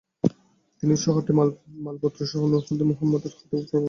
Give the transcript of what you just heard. তিনি শহরটি মালপত্রসহ নুরউদ্দিন মুহাম্মদের হাতে অর্পণ করেন।